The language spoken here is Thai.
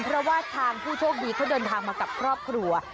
เพราะว่าทางผู้โชคดีเขาเดินทางมากับครอบครัว